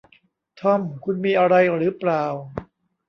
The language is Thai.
ทอม คุณมีอะไรหรือเปล่า